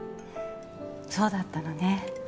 そうだったのね